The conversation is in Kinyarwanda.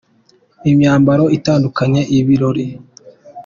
imyambaro itandukanye ibirori.